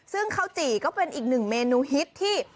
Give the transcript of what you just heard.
ซึ่งข้าวจี่ก็เป็นอีกหนึ่งเมนูฮิตที่